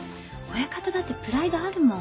親方だってプライドあるもん。